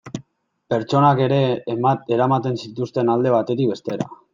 Pertsonak ere eramaten zituzten alde batetik bestera.